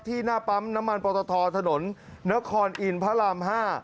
ที่หน้าปั๊มน้ำมันปลอตทถนนนครอินพระราม๕